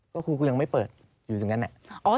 ก็คือยังไม่เปิดอยู่จริงแหละ